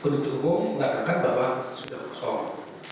penuntut umum mengatakan bahwa sudah kosong